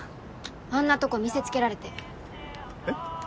あんなとこ見せつけられてえっ？